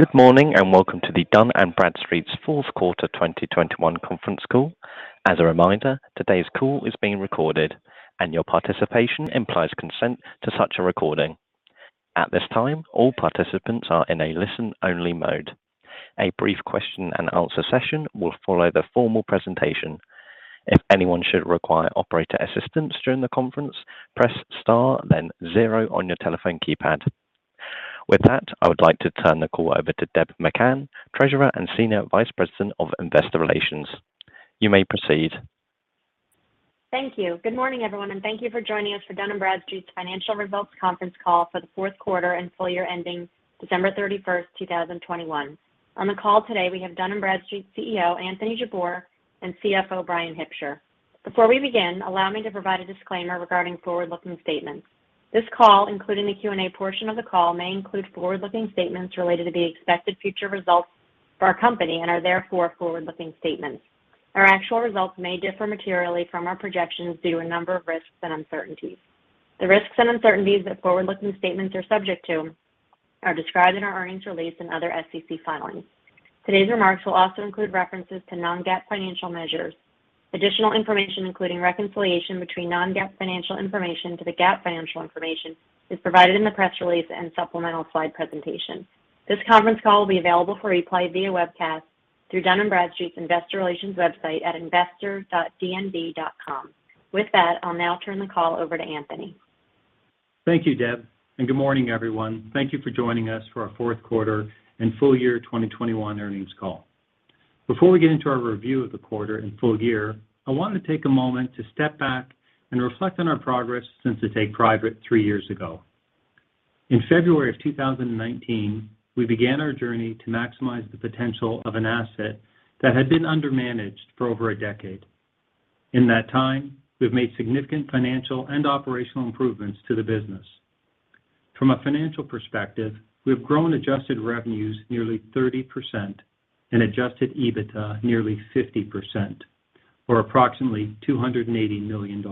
Good morning, and welcome to the Dun & Bradstreet's Q4 2021 conference call. As a reminder, today's call is being recorded, and your participation implies consent to such a recording. At this time, all participants are in a listen-only mode. A brief question and answer session will follow the formal presentation. If anyone should require operator assistance during the conference, press Star then zero on your telephone keypad. With that, I would like to turn the call over to Deb McCann, Treasurer and Senior Vice President of Investor Relations. You may proceed. Thank you. Good morning, everyone, and thank you for joining us for Dun & Bradstreet's financial results conference call for the Q4 and full year ending December 31, 2021. On the call today, we have Dun & Bradstreet's CEO, Anthony Jabbour, and CFO, Bryan Hipsher. Before we begin, allow me to provide a disclaimer regarding forward-looking statements. This call, including the Q&A portion of the call, may include forward-looking statements related to the expected future results for our company and are therefore forward-looking statements. Our actual results may differ materially from our projections due to a number of risks and uncertainties. The risks and uncertainties that forward-looking statements are subject to are described in our earnings release and other SEC filings. Today's remarks will also include references to non-GAAP financial measures. Additional information, including reconciliation between non-GAAP financial information to the GAAP financial information, is provided in the press release and supplemental slide presentation. This conference call will be available for replay via webcast through Dun & Bradstreet's Investor Relations website at investor.dnb.com. With that, I'll now turn the call over to Anthony. Thank you, Deb, and good morning, everyone. Thank you for joining us for our Q4 and full year 2021 earnings call. Before we get into our review of the quarter and full year, I want to take a moment to step back and reflect on our progress since we took it private three years ago. In February of 2019, we began our journey to maximize the potential of an asset that had been undermanaged for over a decade. In that time, we've made significant financial and operational improvements to the business. From a financial perspective, we've grown adjusted revenues nearly 30% and adjusted EBITDA nearly 50%, or approximately $280 million.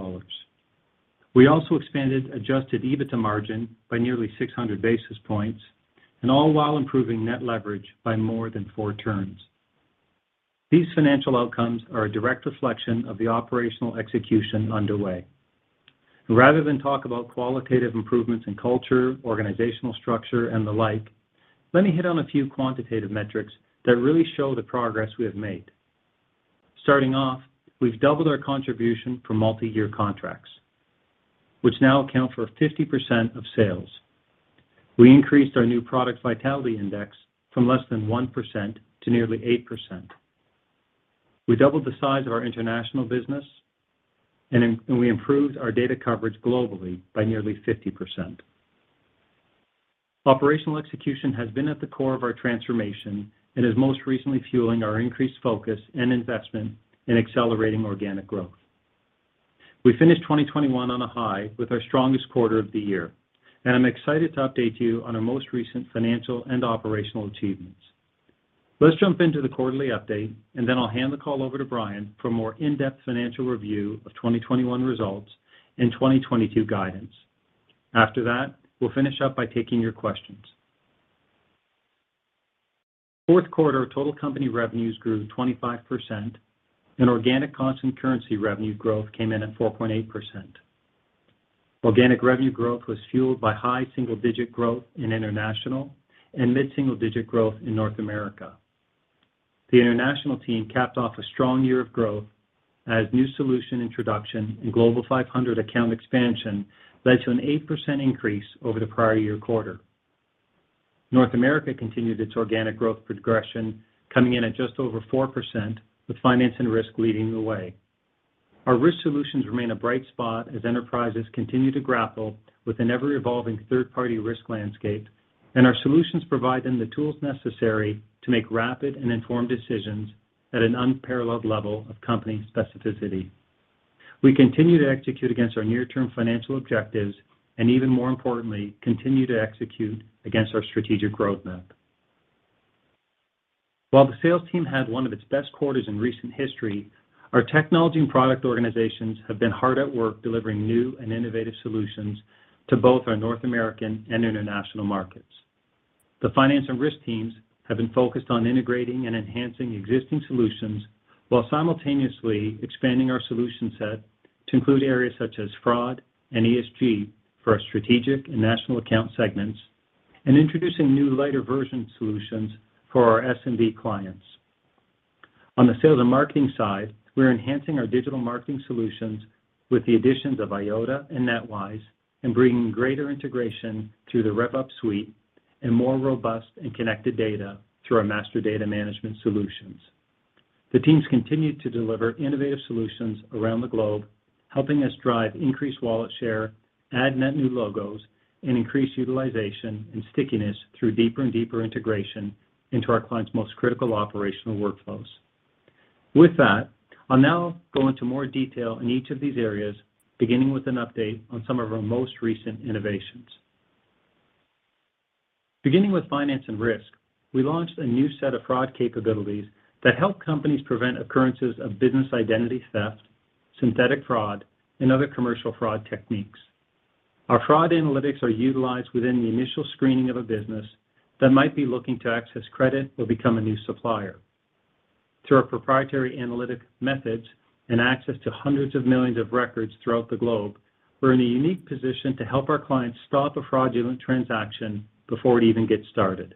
We also expanded adjusted EBITDA margin by nearly 600 basis points and all while improving net leverage by more than four turns. These financial outcomes are a direct reflection of the operational execution underway. Rather than talk about qualitative improvements in culture, organizational structure, and the like, let me hit on a few quantitative metrics that really show the progress we have made. Starting off, we've doubled our contribution from multi-year contracts, which now account for 50% of sales. We increased our new product Vitality Index from less than 1% to nearly 8%. We doubled the size of our international business and we improved our data coverage globally by nearly 50%. Operational execution has been at the core of our transformation and is most recently fueling our increased focus and investment in accelerating organic growth. We finished 2021 on a high with our strongest quarter of the year, and I'm excited to update you on our most recent financial and operational achievements. Let's jump into the quarterly update, and then I'll hand the call over to Bryan for more in-depth financial review of 2021 results and 2022 guidance. After that, we'll finish up by taking your questions. Q4 total company revenues grew 25% and organic constant currency revenue growth came in at 4.8%. Organic revenue growth was fueled by high single-digit growth in international and mid-single-digit growth in North America. The international team capped off a strong year of growth as new solution introduction and Global 500 account expansion led to an 8% increase over the prior year quarter. North America continued its organic growth progression coming in at just over 4% with finance and risk leading the way. Our risk solutions remain a bright spot as enterprises continue to grapple with an ever-evolving third-party risk landscape, and our solutions provide them the tools necessary to make rapid and informed decisions at an unparalleled level of company specificity. We continue to execute against our near-term financial objectives, and even more importantly, continue to execute against our strategic growth map. While the sales team had one of its best quarters in recent history, our technology and product organizations have been hard at work delivering new and innovative solutions to both our North American and international markets. The finance and risk teams have been focused on integrating and enhancing existing solutions while simultaneously expanding our solution set to include areas such as fraud and ESG for our strategic and national account segments and introducing new lighter version solutions for our SMB clients. On the sales and marketing side, we're enhancing our digital marketing solutions with the additions of Eyeota and NetWise and bringing greater integration to the RevUp suite and more robust and connected data through our master data management solutions. The teams continue to deliver innovative solutions around the globe, helping us drive increased wallet share, add net new logos, and increase utilization and stickiness through deeper and deeper integration into our clients' most critical operational workflows. With that, I'll now go into more detail in each of these areas, beginning with an update on some of our most recent innovations. Beginning with finance and risk, we launched a new set of fraud capabilities that help companies prevent occurrences of business identity theft, synthetic fraud, and other commercial fraud techniques. Our fraud analytics are utilized within the initial screening of a business that might be looking to access credit or become a new supplier. Through our proprietary analytic methods and access to hundreds of millions of records throughout the globe, we're in a unique position to help our clients stop a fraudulent transaction before it even gets started.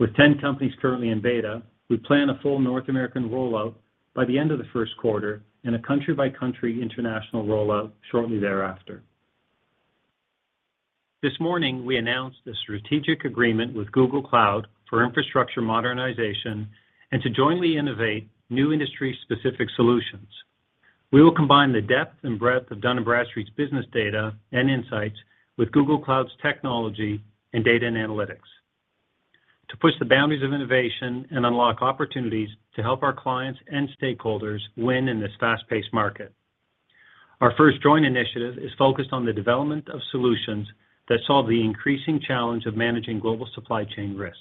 With 10 companies currently in beta, we plan a full North American rollout by the end of the first quarter and a country-by-country international rollout shortly thereafter. This morning, we announced a strategic agreement with Google Cloud for infrastructure modernization and to jointly innovate new industry-specific solutions. We will combine the depth and breadth of Dun & Bradstreet's business data and insights with Google Cloud's technology and data and analytics to push the boundaries of innovation and unlock opportunities to help our clients and stakeholders win in this fast-paced market. Our first joint initiative is focused on the development of solutions that solve the increasing challenge of managing global supply chain risk.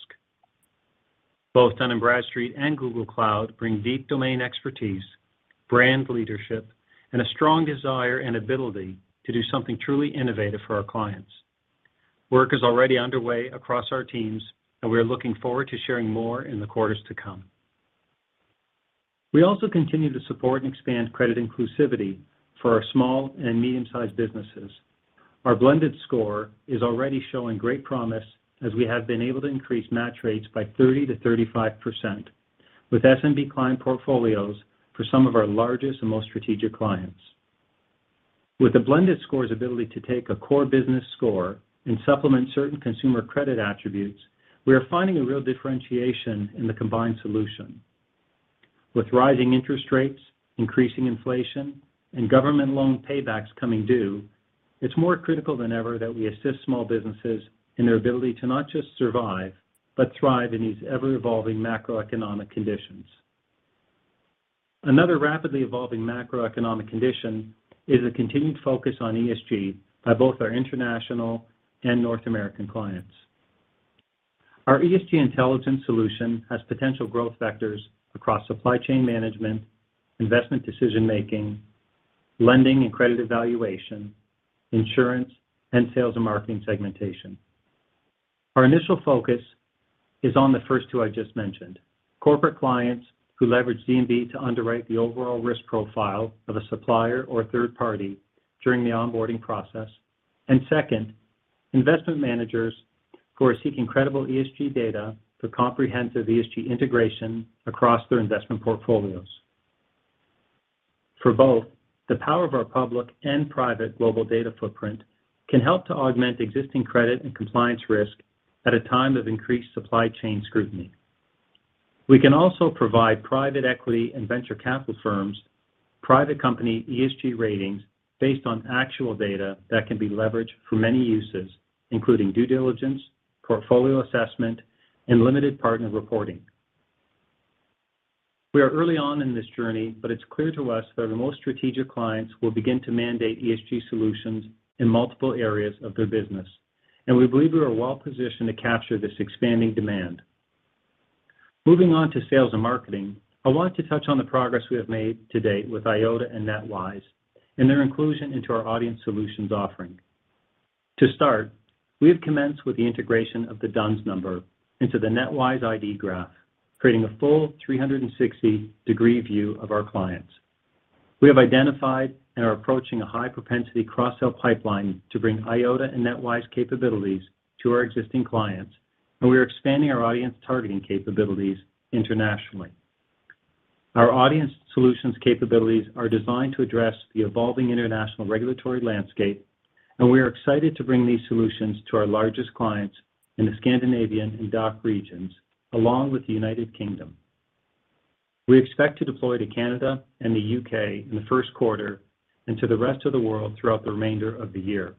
Both Dun & Bradstreet and Google Cloud bring deep domain expertise, brand leadership, and a strong desire and ability to do something truly innovative for our clients. Work is already underway across our teams, and we are looking forward to sharing more in the quarters to come. We also continue to support and expand credit inclusivity for our small and medium-sized businesses. Our blended score is already showing great promise as we have been able to increase match rates by 30%-35% with SMB client portfolios for some of our largest and most strategic clients. With the blended score's ability to take a core business score and supplement certain consumer credit attributes, we are finding a real differentiation in the combined solution. With rising interest rates, increasing inflation, and government loan paybacks coming due, it's more critical than ever that we assist small businesses in their ability to not just survive but thrive in these ever-evolving macroeconomic conditions. Another rapidly evolving macroeconomic condition is a continued focus on ESG by both our international and North American clients. Our ESG intelligence solution has potential growth vectors across supply chain management, investment decision-making, lending and credit evaluation, insurance, and sales and marketing segmentation. Our initial focus is on the first two I just mentioned, corporate clients who leverage D&B to underwrite the overall risk profile of a supplier or third party during the onboarding process, and second, investment managers who are seeking credible ESG data for comprehensive ESG integration across their investment portfolios. For both, the power of our public and private global data footprint can help to augment existing credit and compliance risk at a time of increased supply chain scrutiny. We can also provide private equity and venture capital firms private company ESG ratings based on actual data that can be leveraged for many uses, including due diligence, portfolio assessment, and limited partner reporting. We are early on in this journey, but it's clear to us that our most strategic clients will begin to mandate ESG solutions in multiple areas of their business, and we believe we are well-positioned to capture this expanding demand. Moving on to sales and marketing, I want to touch on the progress we have made to date with Eyeota and NetWise and their inclusion into our Audience Solutions offering. To start, we have commenced with the integration of the D-U-N-S Number into the NetWise ID Graph, creating a full 360-degree view of our clients. We have identified and are approaching a high propensity cross-sell pipeline to bring Eyeota and NetWise capabilities to our existing clients, and we are expanding our audience targeting capabilities internationally. Our Audience Solutions capabilities are designed to address the evolving international regulatory landscape, and we are excited to bring these solutions to our largest clients in the Scandinavian and DACH regions, along with the United Kingdom. We expect to deploy to Canada and the U.K. in the first quarter and to the rest of the world throughout the remainder of the year.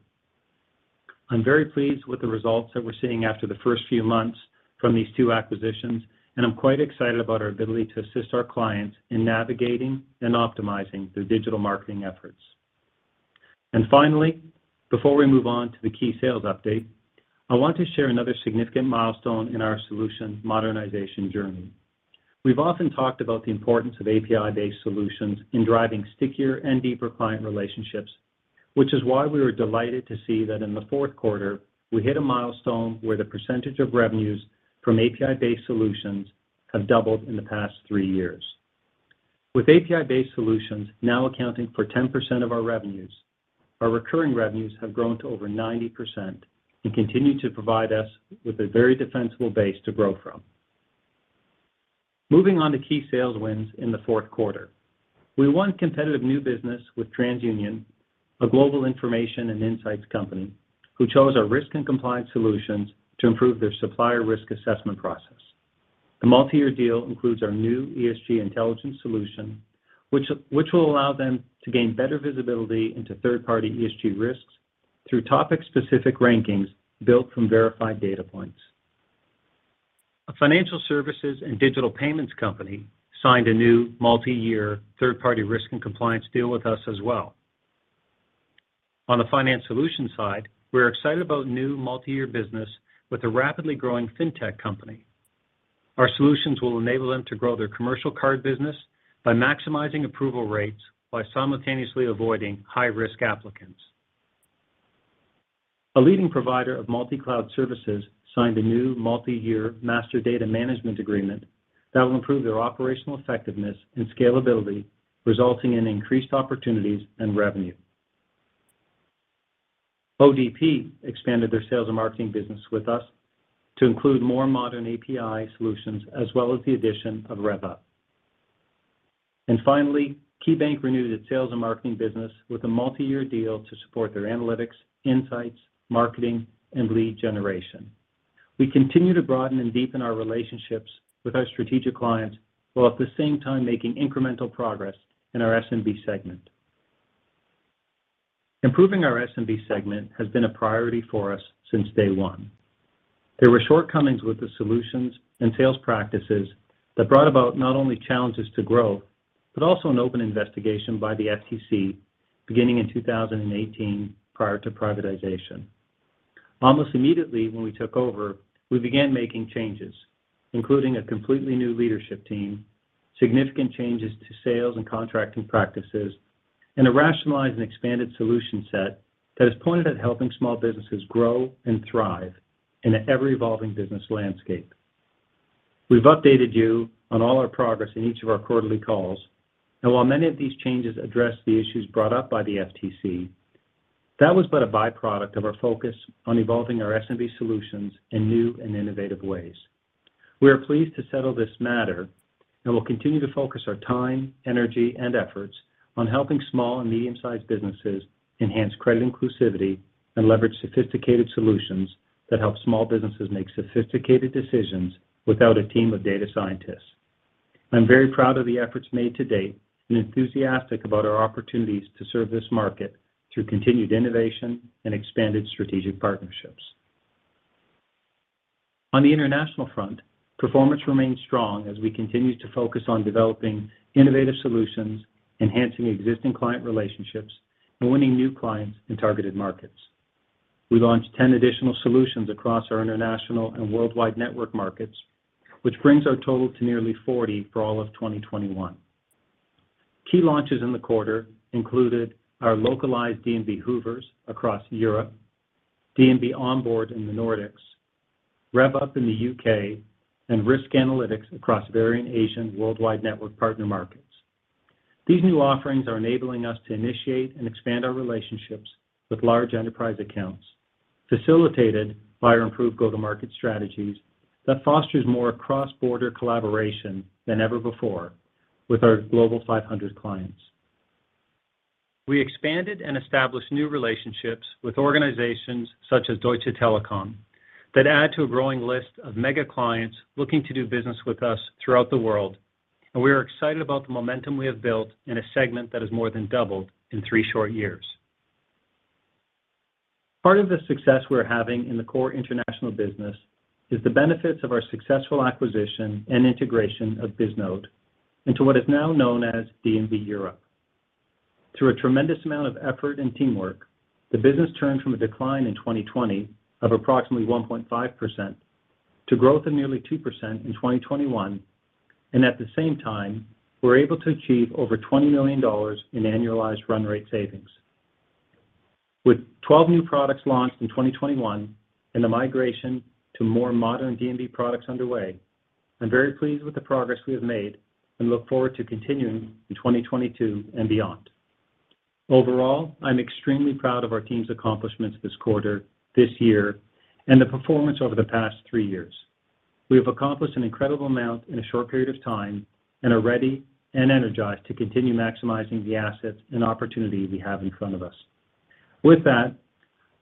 I'm very pleased with the results that we're seeing after the first few months from these two acquisitions, and I'm quite excited about our ability to assist our clients in navigating and optimizing their digital marketing efforts. Finally, before we move on to the key sales update, I want to share another significant milestone in our solution modernization journey. We've often talked about the importance of API-based solutions in driving stickier and deeper client relationships, which is why we were delighted to see that in the Q4, we hit a milestone where the percentage of revenues from API-based solutions have doubled in the past three years. With API-based solutions now accounting for 10% of our revenues, our recurring revenues have grown to over 90% and continue to provide us with a very defensible base to grow from. Moving on to key sales wins in the Q4. We won competitive new business with TransUnion, a global information and insights company, who chose our risk and compliance solutions to improve their supplier risk assessment process. The multi-year deal includes our new ESG Intelligence solution, which will allow them to gain better visibility into third-party ESG risks through topic-specific rankings built from verified data points. A financial services and digital payments company signed a new multi-year third-party risk and compliance deal with us as well. On the finance solution side, we're excited about new multi-year business with a rapidly growing fintech company. Our solutions will enable them to grow their commercial card business by maximizing approval rates while simultaneously avoiding high-risk applicants. A leading provider of multi-cloud services signed a new multi-year master data management agreement that will improve their operational effectiveness and scalability, resulting in increased opportunities and revenue. ODP expanded their sales and marketing business with us to include more modern API solutions as well as the addition of RevUp. Finally, KeyBank renewed its sales and marketing business with a multi-year deal to support their analytics, insights, marketing, and lead generation. We continue to broaden and deepen our relationships with our strategic clients while at the same time making incremental progress in our SMB segment. Improving our SMB segment has been a priority for us since day one. There were shortcomings with the solutions and sales practices that brought about not only challenges to growth, but also an open investigation by the FTC beginning in 2018 prior to privatization. Almost immediately when we took over, we began making changes, including a completely new leadership team, significant changes to sales and contracting practices, and a rationalized and expanded solution set that is pointed at helping small businesses grow and thrive in an ever-evolving business landscape. We've updated you on all our progress in each of our quarterly calls, and while many of these changes address the issues brought up by the FTC, that was but a byproduct of our focus on evolving our SMB solutions in new and innovative ways. We are pleased to settle this matter, and will continue to focus our time, energy, and efforts on helping small and medium-sized businesses enhance credit inclusivity and leverage sophisticated solutions that help small businesses make sophisticated decisions without a team of data scientists. I'm very proud of the efforts made to date and enthusiastic about our opportunities to serve this market through continued innovation and expanded strategic partnerships. On the international front, performance remains strong as we continue to focus on developing innovative solutions, enhancing existing client relationships, and winning new clients in targeted markets. We launched 10 additional solutions across our international and worldwide network markets, which brings our total to nearly 40 for all of 2021. Key launches in the quarter included our localized D&B Hoovers across Europe, D&B Onboard in the Nordics, RevUp in the U.K., and risk analytics across varying Asian worldwide network partner markets. These new offerings are enabling us to initiate and expand our relationships with large enterprise accounts, facilitated by our improved go-to-market strategies that fosters more cross-border collaboration than ever before with our Global Five Hundred clients. We expanded and established new relationships with organizations such as Deutsche Telekom that add to a growing list of mega clients looking to do business with us throughout the world, and we are excited about the momentum we have built in a segment that has more than doubled in three short years. Part of the success we're having in the core international business is the benefits of our successful acquisition and integration of Bisnode into what is now known as D&B Europe. Through a tremendous amount of effort and teamwork, the business turned from a decline in 2020 of approximately 1.5% to growth of nearly 2% in 2021, and at the same time, we're able to achieve over $20 million in annualized run rate savings. With 12 new products launched in 2021 and the migration to more modern D&B products underway, I'm very pleased with the progress we have made and look forward to continuing in 2022 and beyond. Overall, I'm extremely proud of our team's accomplishments this quarter, this year, and the performance over the past three years. We have accomplished an incredible amount in a short period of time and are ready and energized to continue maximizing the assets and opportunity we have in front of us. With that,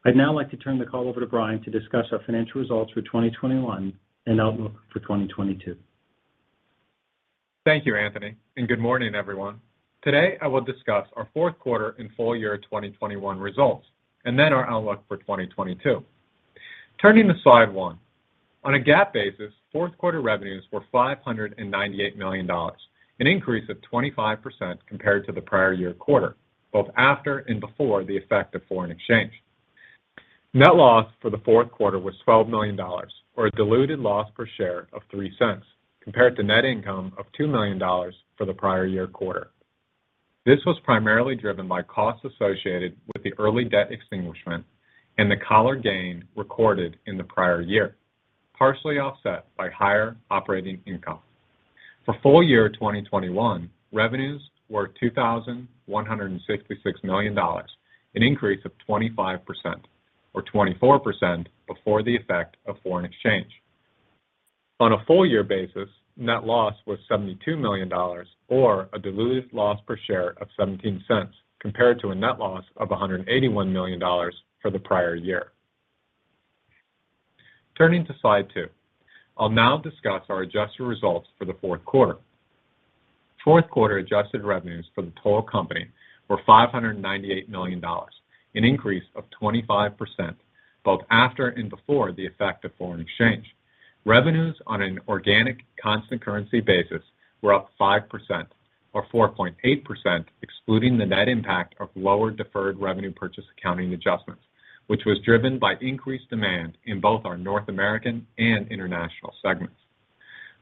I'd now like to turn the call over to Bryan to discuss our financial results for 2021 and outlook for 2022. Thank you, Anthony, and good morning, everyone. Today, I will discuss our Q4 and full year 2021 results, and then our outlook for 2022. Turning to slide one. On a GAAP basis, Q4 revenues were $598 million, an increase of 25% compared to the prior year quarter, both after and before the effect of foreign exchange. Net loss for the Q4 was $12 million or a diluted loss per share of $0.03 compared to net income of $2 million for the prior year quarter. This was primarily driven by costs associated with the early debt extinguishment and the collar gain recorded in the prior year, partially offset by higher operating income. For full year 2021, revenues were $2,166 million, an increase of 25% or 24% before the effect of foreign exchange. On a full year basis, net loss was $72 million or a diluted loss per share of $0.17 compared to a net loss of $181 million for the prior year. Turning to slide two. I'll now discuss our adjusted results for the Q4. Q4 adjusted revenues for the total company were $598 million, an increase of 25% both after and before the effect of foreign exchange. Revenues on an organic constant currency basis were up 5% or 4.8% excluding the net impact of lower deferred revenue purchase accounting adjustments, which was driven by increased demand in both our North American and international segments.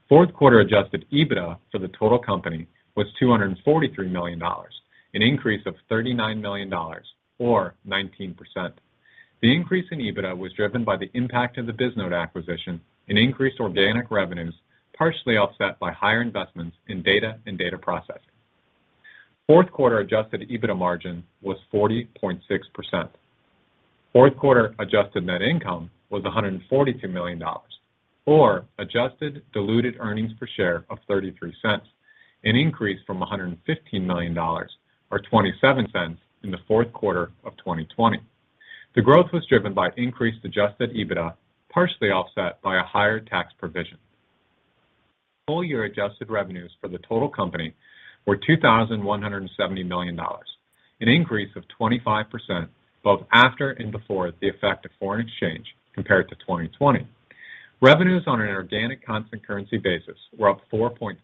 Q4 adjusted EBITDA for the total company was $243 million, an increase of $39 million or 19%. The increase in EBITDA was driven by the impact of the Bisnode acquisition and increased organic revenues, partially offset by higher investments in data and data processing. Q4 adjusted EBITDA margin was 40.6%. Q4 adjusted net income was $142 million, or adjusted diluted earnings per share of $0.33, an increase from $115 million or $0.27 in the Q4 of 2020. The growth was driven by increased adjusted EBITDA, partially offset by a higher tax provision. Full year adjusted revenues for the total company were $2,170 million, an increase of 25%, both after and before the effect of foreign exchange compared to 2020. Revenues on an organic constant currency basis were up 4.5%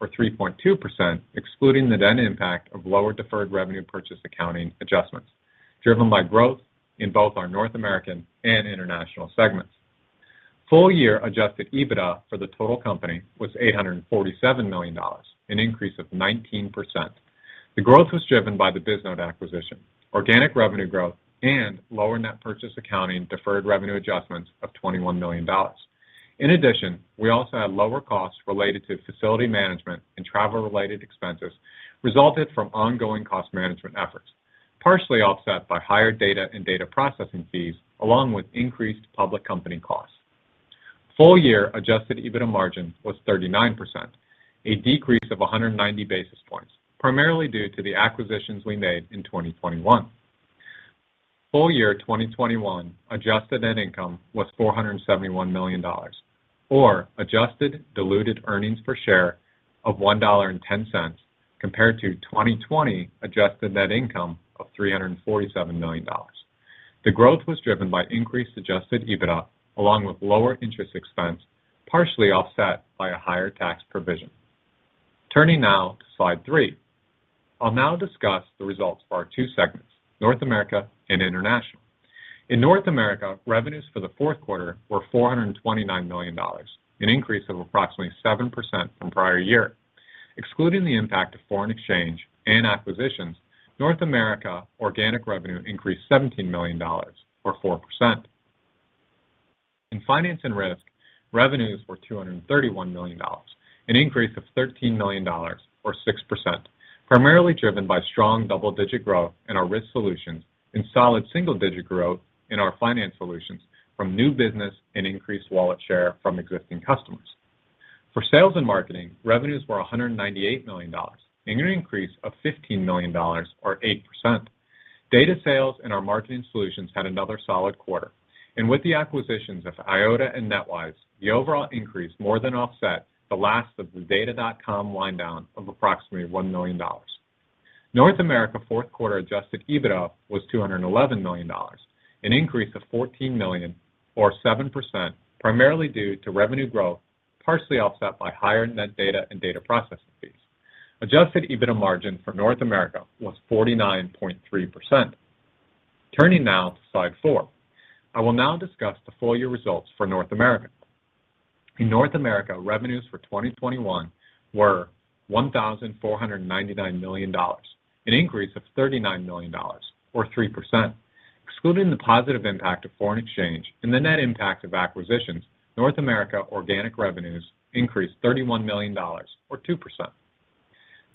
or 3.2%, excluding the net impact of lower deferred revenue purchase accounting adjustments, driven by growth in both our North American and international segments. Full year adjusted EBITDA for the total company was $847 million, an increase of 19%. The growth was driven by the Bisnode acquisition, organic revenue growth and lower net purchase accounting deferred revenue adjustments of $21 million. In addition, we also had lower costs related to facility management and travel related expenses resulted from ongoing cost management efforts, partially offset by higher data and data processing fees, along with increased public company costs. Full-year adjusted EBITDA margin was 39%, a decrease of 190 basis points, primarily due to the acquisitions we made in 2021. Full-year 2021 adjusted net income was $471 million, or adjusted diluted earnings per share of $1.10, compared to 2020 adjusted net income of $347 million. The growth was driven by increased adjusted EBITDA along with lower interest expense, partially offset by a higher tax provision. Turning now to slide three. I'll now discuss the results for our two segments, North America and International. In North America, revenues for the Q4 were $429 million, an increase of approximately 7% from prior year. Excluding the impact of foreign exchange and acquisitions, North America organic revenue increased $17 million or 4%. In Finance and Risk, revenues were $231 million, an increase of $13 million or 6%, primarily driven by strong double-digit growth in our risk solutions and solid single-digit growth in our finance solutions from new business and increased wallet share from existing customers. For Sales and Marketing, revenues were $198 million, an increase of $15 million or 8%. Data sales and our marketing solutions had another solid quarter, and with the acquisitions of Eyeota and NetWise, the overall increase more than offset the last of the Data.com wind down of approximately $1 million. North America Q4 adjusted EBITDA was $211 million, an increase of $14 million or 7%, primarily due to revenue growth, partially offset by higher net data and data processing fees. Adjusted EBITDA margin for North America was 49.3%. Turning now to slide four. I will now discuss the full year results for North America. In North America, revenues for 2021 were $1,499 million, an increase of $39 million or 3%. Excluding the positive impact of foreign exchange and the net impact of acquisitions, North America organic revenues increased $31 million or 2%.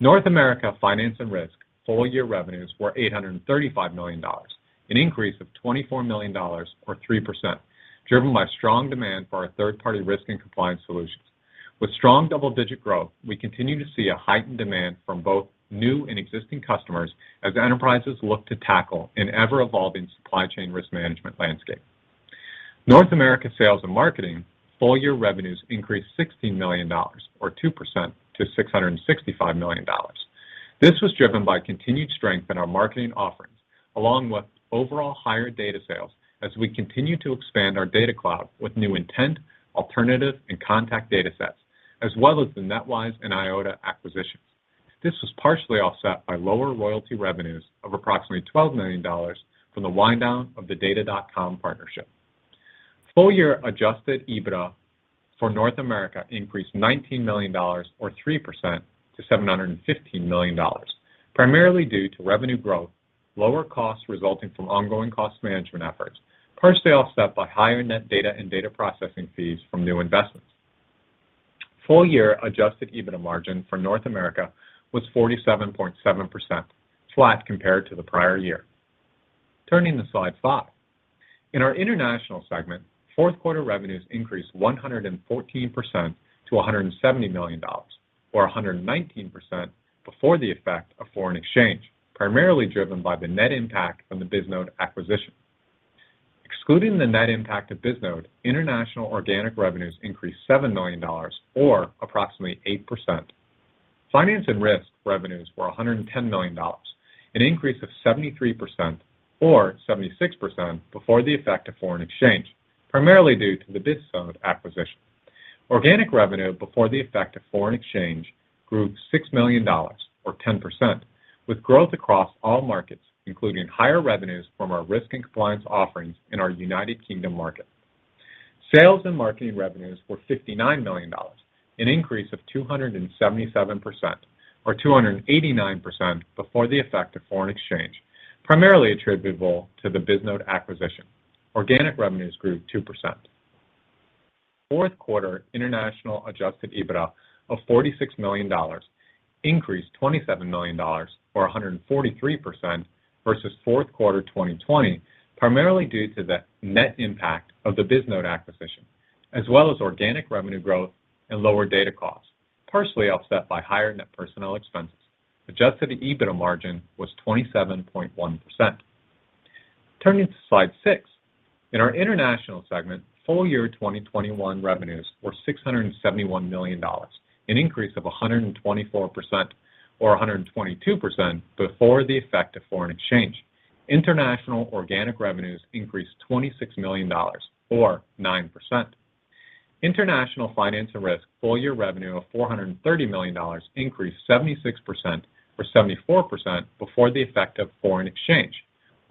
North America Finance and Risk full year revenues were $835 million, an increase of $24 million or 3%, driven by strong demand for our third-party risk and compliance solutions. With strong double-digit growth, we continue to see a heightened demand from both new and existing customers as enterprises look to tackle an ever-evolving supply chain risk management landscape. North America Sales and Marketing full-year revenues increased $60 million or 2% to $665 million. This was driven by continued strength in our marketing offerings along with overall higher data sales as we continue to expand our Data Cloud with new intent, alternative and contact data sets, as well as the NetWise and Eyeota acquisitions. This was partially offset by lower royalty revenues of approximately $12 million from the wind down of the data.com partnership. Full year adjusted EBITDA for North America increased $19 million or 3% to $715 million, primarily due to revenue growth, lower costs resulting from ongoing cost management efforts, partially offset by higher net data and data processing fees from new investments. Full year adjusted EBITDA margin for North America was 47.7%, flat compared to the prior year. Turning to slide five. In our international segment, Q4 revenues increased 114% to $170 million or 119% before the effect of foreign exchange, primarily driven by the net impact from the Bisnode acquisition. Excluding the net impact of Bisnode, international organic revenues increased $7 million or approximately 8%. Finance and risk revenues were $110 million, an increase of 73% or 76% before the effect of foreign exchange, primarily due to the Bisnode acquisition. Organic revenue before the effect of foreign exchange grew $6 million or 10% with growth across all markets including higher revenues from our risk and compliance offerings in our United Kingdom market. Sales and marketing revenues were $59 million, an increase of 277% or 289% before the effect of foreign exchange, primarily attributable to the Bisnode acquisition. Organic revenues grew 2%. Q4 international adjusted EBITDA of $46 million increased $27 million or 143% versus Q4 2020, primarily due to the net impact of the Bisnode acquisition, as well as organic revenue growth and lower data costs, partially offset by higher net personnel expenses. Adjusted EBITDA margin was 27.1%. Turning to slide six. In our international segment, full year 2021 revenues were $671 million, an increase of 124% or 122% before the effect of foreign exchange. International organic revenues increased $26 million or 9%. International Finance and Risk full year revenue of $430 million increased 76% or 74% before the effect of foreign exchange.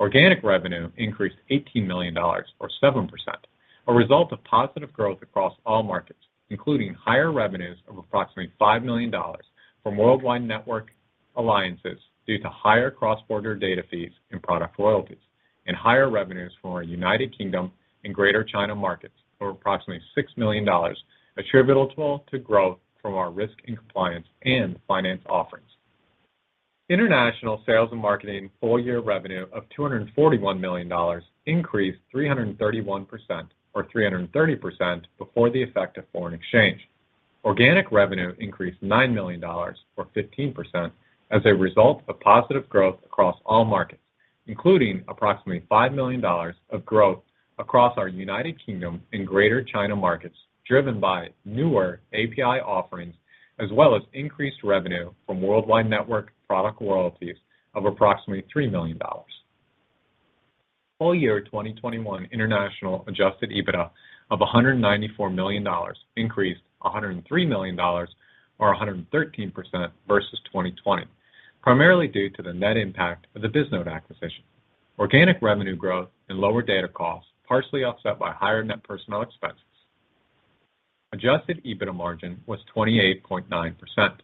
Organic revenue increased $18 million or 7%, a result of positive growth across all markets, including higher revenues of approximately $5 million from Worldwide Network alliances due to higher cross-border data fees and product royalties, and higher revenues from our United Kingdom and Greater China markets of approximately $6 million attributable to growth from our risk and compliance and finance offerings. International sales and marketing full year revenue of $241 million increased 331% or 330% before the effect of foreign exchange. Organic revenue increased $9 million or 15% as a result of positive growth across all markets, including approximately $5 million of growth across our United Kingdom and Greater China markets, driven by newer API offerings as well as increased revenue from Worldwide Network product royalties of approximately $3 million. Full year 2021 international adjusted EBITDA of $194 million increased $103 million or 113% versus 2020, primarily due to the net impact of the Bisnode acquisition, organic revenue growth and lower data costs, partially offset by higher net personnel expenses. Adjusted EBITDA margin was 28.9%.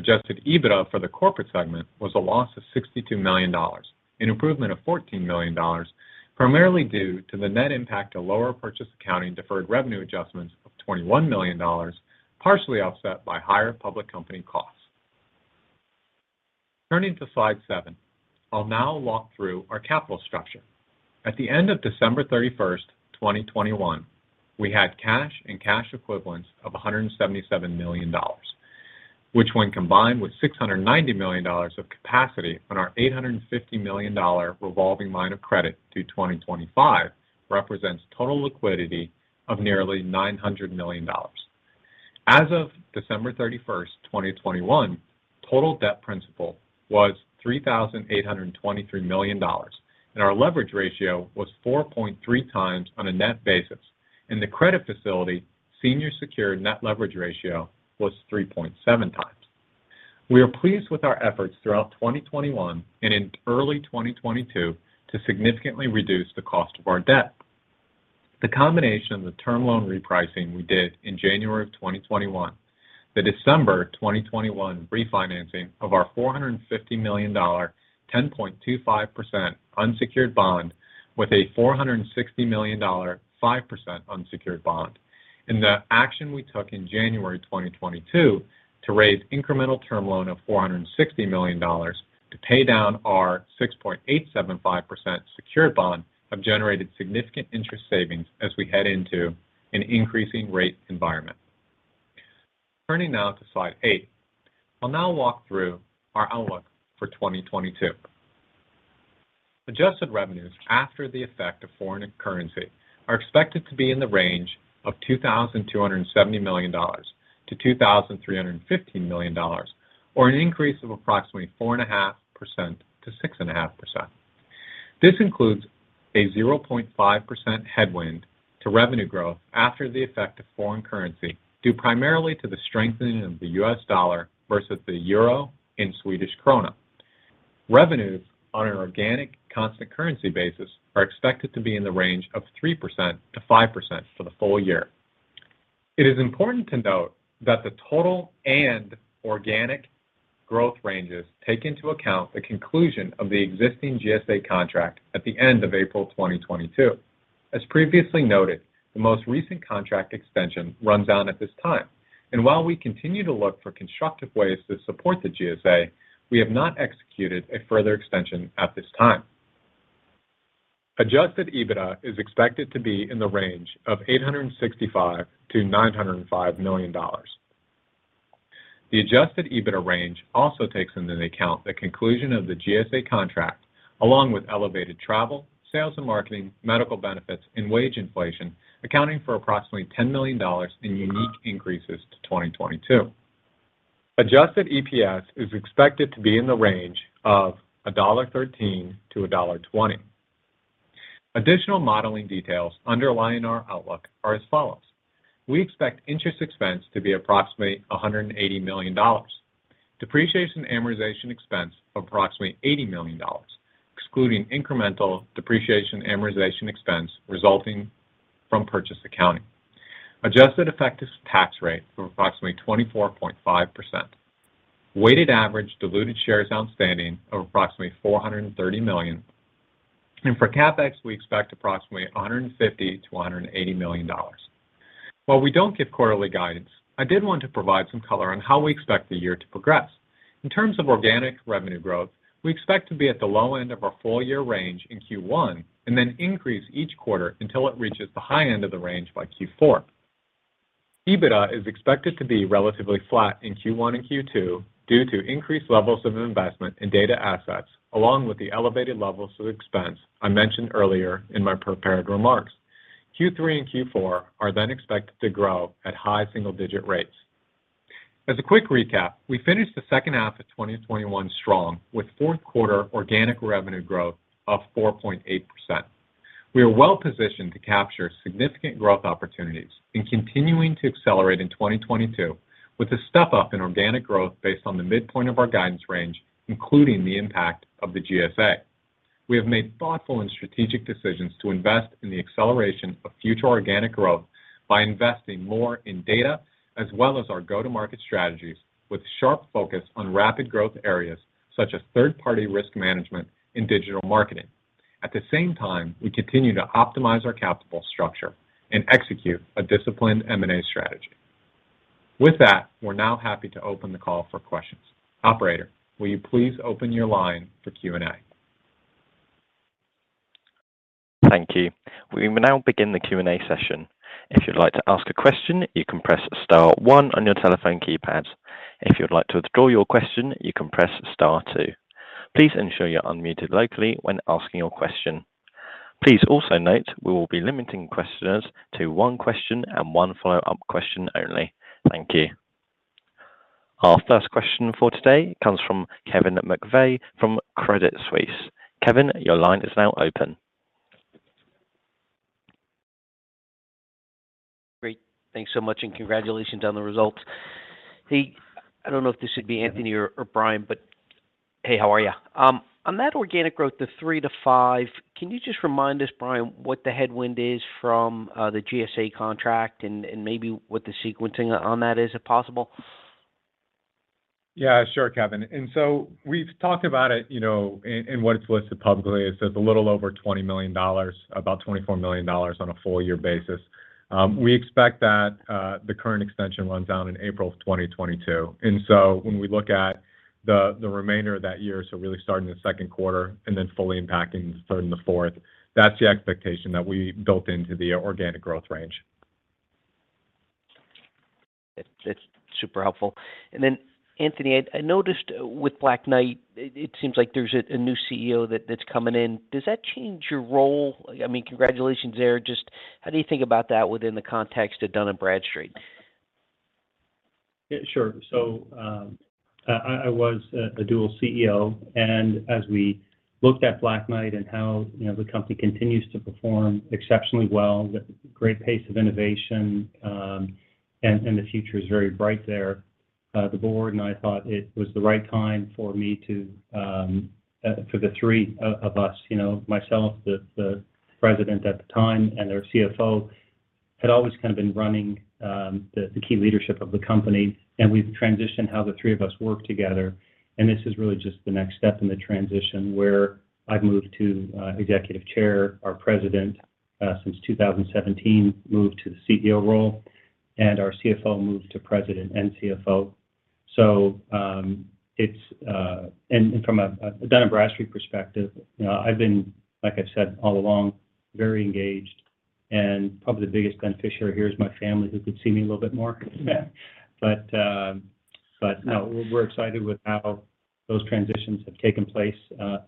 Adjusted EBITDA for the corporate segment was a loss of $62 million, an improvement of $14 million, primarily due to the net impact of lower purchase accounting deferred revenue adjustments of $21 million, partially offset by higher public company costs. Turning to slide seven, I'll now walk through our capital structure. At the end of December 31, 2021, we had cash and cash equivalents of $177 million, which when combined with $690 million of capacity on our $850 million revolving line of credit through 2025, represents total liquidity of nearly $900 million. As of December 31, 2021, total debt principal was $3,823 million, and our leverage ratio was 4.3x on a net basis, and the credit facility senior secured net leverage ratio was 3.7x. We are pleased with our efforts throughout 2021 and in early 2022 to significantly reduce the cost of our debt. The combination of the term loan repricing we did in January 2021, the December 2021 refinancing of our $450 million 10.25% unsecured bond with a $460 million 5% unsecured bond, and the action we took in January 2022 to raise incremental term loan of $460 million to pay down our 6.875% secured bond have generated significant interest savings as we head into an increasing rate environment. Turning now to slide eight. I'll now walk through our outlook for 2022. Adjusted revenues after the effect of foreign currency are expected to be in the range of $2,270 million-$2,315 million, or an increase of approximately 4.5%-6.5%. This includes a 0.5% headwind to revenue growth after the effect of foreign currency, due primarily to the strengthening of the US dollar versus the euro in Swedish krona. Revenues on an organic constant currency basis are expected to be in the range of 3%-5% for the full year. It is important to note that the total and organic growth ranges take into account the conclusion of the existing GSA contract at the end of April 2022. As previously noted, the most recent contract extension runs out at this time, and while we continue to look for constructive ways to support the GSA, we have not executed a further extension at this time. Adjusted EBITDA is expected to be in the range of $865 million-$905 million. The adjusted EBITDA range also takes into account the conclusion of the GSA contract, along with elevated travel, sales and marketing, medical benefits, and wage inflation, accounting for approximately $10 million in unique increases to 2022. Adjusted EPS is expected to be in the range of $1.13-$1.20. Additional modeling details underlying our outlook are as follows. We expect interest expense to be approximately $180 million. Depreciation and amortization expense of approximately $80 million, excluding incremental depreciation and amortization expense resulting from purchase accounting. Adjusted effective tax rate of approximately 24.5%. Weighted average diluted shares outstanding of approximately 430 million. For CapEx, we expect approximately $150 million-$180 million. While we don't give quarterly guidance, I did want to provide some color on how we expect the year to progress. In terms of organic revenue growth, we expect to be at the low end of our full year range in Q1 and then increase each quarter until it reaches the high end of the range by Q4. EBITDA is expected to be relatively flat in Q1 and Q2 due to increased levels of investment in data assets, along with the elevated levels of expense I mentioned earlier in my prepared remarks. Q3 and Q4 are then expected to grow at high single-digit rates. As a quick recap, we finished the second half of 2021 strong with Q4 organic revenue growth of 4.8%. We are well-positioned to capture significant growth opportunities and continuing to accelerate in 2022 with a step-up in organic growth based on the midpoint of our guidance range, including the impact of the GSA. We have made thoughtful and strategic decisions to invest in the acceleration of future organic growth by investing more in data as well as our go-to-market strategies with sharp focus on rapid growth areas such as third-party risk management and digital marketing. At the same time, we continue to optimize our capital structure and execute a disciplined M&A strategy. With that, we're now happy to open the call for questions. Operator, will you please open your line for Q&A? Thank you. We will now begin the Q&A session. If you'd like to ask a question, you can press star one on your telephone keypad. If you'd like to withdraw your question, you can press star two. Please ensure you're unmuted locally when asking your question. Please also note we will be limiting questioners to one question and one follow-up question only. Thank you. Our first question for today comes from Kevin McVeigh from Credit Suisse. Kevin, your line is now open. Great. Thanks so much, and congratulations on the results. Hey, I don't know if this should be Anthony or Bryan, but hey, how are you? On that organic growth of 3%-5%, can you just remind us, Bryan, what the headwind is from the GSA contract and maybe what the sequencing on that is, if possible? Yeah, sure, Kevin. We've talked about it, you know, and what it's listed publicly. It says a little over $20 million, about $24 million on a full year basis. We expect that the current extension runs out in April of 2022. When we look at the remainder of that year, so really starting in the second quarter and then fully impacting starting the fourth, that's the expectation that we built into the organic growth range. That's super helpful. Then Anthony, I noticed with Black Knight, it seems like there's a new CEO that's coming in. Does that change your role? I mean, congratulations there. Just how do you think about that within the context of Dun & Bradstreet? Yeah, sure. I was the dual CEO, and as we looked at Black Knight and how, you know, the company continues to perform exceptionally well with great pace of innovation, and the future is very bright there, the board and I thought it was the right time for me to, for the three of us, you know, myself, the President at the time, and their CFO had always kind of been running the key leadership of the company, and we've transitioned how the three of us work together. This is really just the next step in the transition where I've moved to executive chair. Our President since 2017 moved to the CEO role, and our CFO moved to President and CFO. It's From a Dun & Bradstreet perspective, you know, I've been, like I said all along, very engaged. Probably the biggest beneficiary here is my family, who could see me a little bit more. No, we're excited with how those transitions have taken place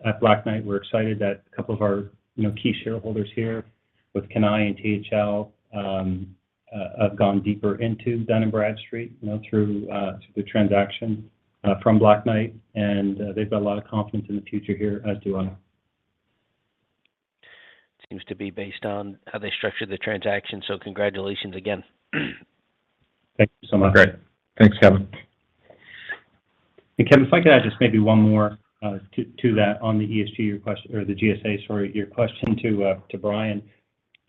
at Black Knight. We're excited that a couple of our key shareholders here with Cannae and THL have gone deeper into Dun & Bradstreet, you know, through the transaction from Black Knight. They've got a lot of confidence in the future here, as do I. Seems to be based on how they structured the transaction, so congratulations again. Thank you so much. Great. Thanks, Kevin. Kevin, if I could add just maybe one more to that on the ESG request or the GSA, sorry, your question to Bryan.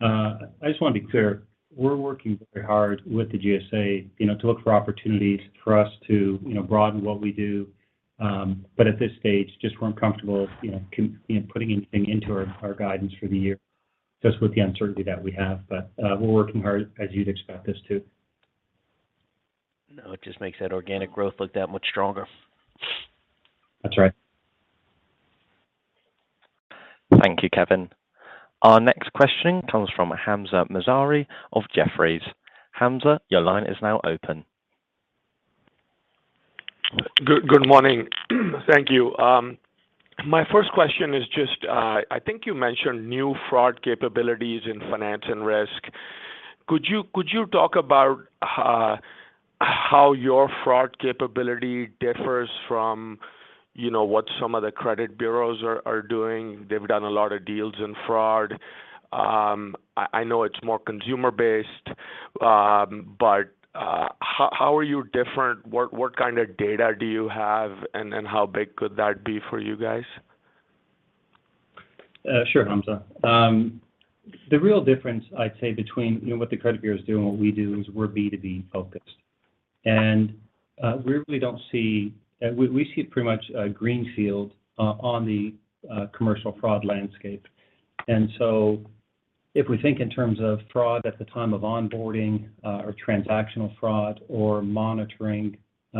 I just want to be clear, we're working very hard with the GSA, you know, to look for opportunities for us to, you know, broaden what we do. But at this stage, just we're uncomfortable, you know, putting anything into our guidance for the year just with the uncertainty that we have. We're working hard as you'd expect us to. No, it just makes that organic growth look that much stronger. That's right. Thank you, Kevin. Our next question comes from Hamzah Mazari of Jefferies. Hamzah, your line is now open. Good morning. Thank you. My first question is just, I think you mentioned new fraud capabilities in finance and risk. Could you talk about how your fraud capability differs from, you know, what some of the credit bureaus are doing. They've done a lot of deals in fraud. I know it's more consumer based, but how are you different? What kind of data do you have and how big could that be for you guys? Sure, Hamzah. The real difference I'd say between, you know, what the credit bureaus do and what we do is we're B2B focused. We really don't see. We see it pretty much a greenfield on the commercial fraud landscape. If we think in terms of fraud at the time of onboarding, or transactional fraud or monitoring, you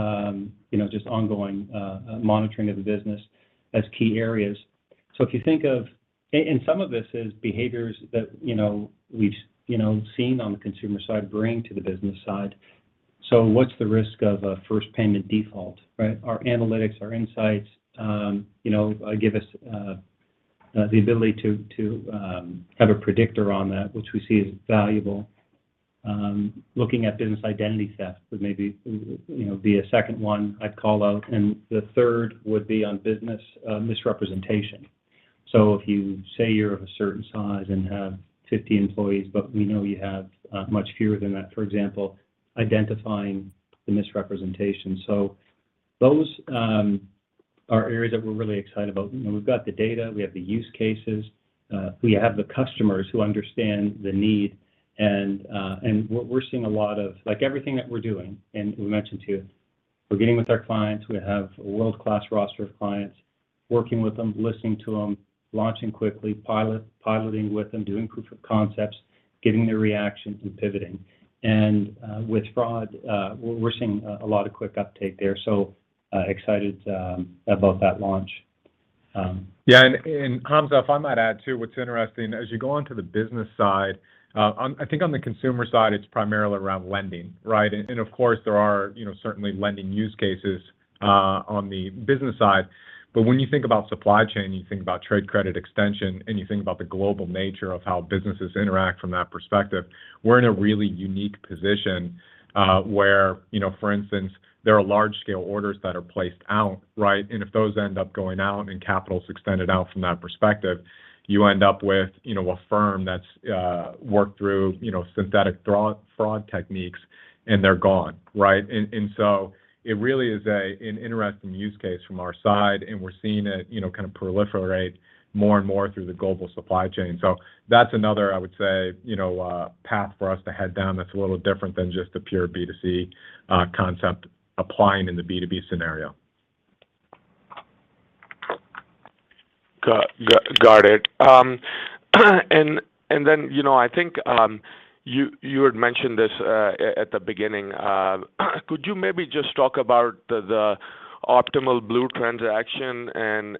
know, just ongoing monitoring of the business as key areas. If you think of some of this is behaviors that, you know, we've, you know, seen on the consumer side bring to the business side. What's the risk of a first payment default, right? Our analytics, our insights, you know, the ability to have a predictor on that which we see as valuable. Looking at business identity theft would maybe, you know, be a second one I'd call out, and the third would be on business misrepresentation. If you say you're of a certain size and have 50 employees, but we know you have much fewer than that. For example, identifying the misrepresentation. Those are areas that we're really excited about. You know, we've got the data, we have the use cases, we have the customers who understand the need and we're seeing a lot of. Like everything that we're doing, and we mentioned too, we're getting with our clients. We have a world-class roster of clients, working with them, listening to them, launching quickly, piloting with them, doing proof of concepts, getting their reactions, and pivoting. With fraud, we're seeing a lot of quick uptake there, so excited about that launch. Hamza, if I might add too, what's interesting as you go onto the business side, I think on the consumer side, it's primarily around lending, right? Of course there are, you know, certainly lending use cases on the business side. But when you think about supply chain, you think about trade credit extension, and you think about the global nature of how businesses interact from that perspective, we're in a really unique position, where, you know, for instance, there are large scale orders that are placed out, right? If those end up going out and capital's extended out from that perspective, you end up with, you know, a firm that's worked through, you know, synthetic fraud techniques, and they're gone, right? It really is an interesting use case from our side and we're seeing it, you know, kind of proliferate more and more through the global supply chain. That's another, I would say, you know, path for us to head down that's a little different than just the pure B2C concept applying in the B2B scenario. Got it. Then, you know, I think you had mentioned this at the beginning. Could you maybe just talk about the Optimal Blue transaction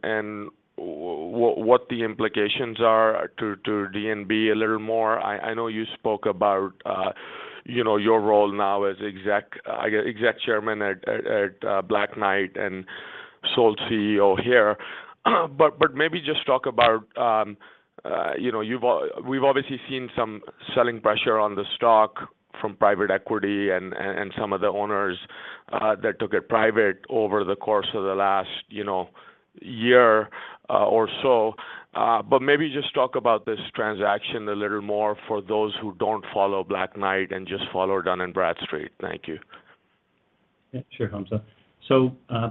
and what the implications are to D&B a little more? I know you spoke about, you know, your role now as Executive Chairman at Black Knight and sole CEO here. Maybe just talk about, you know, we've obviously seen some selling pressure on the stock from private equity and some of the owners that took it private over the course of the last, you know, year or so. Maybe just talk about this transaction a little more for those who don't follow Black Knight and just follow Dun & Bradstreet. Thank you. Yeah, sure, Hamza.